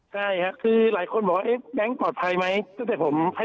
ใช่ค่ะคือหลายคนบอกว่าแบงค์ปลอดภัยไหมตั้งแต่ผมให้